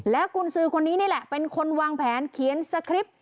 กุญสือคนนี้นี่แหละเป็นคนวางแผนเขียนสคริปต์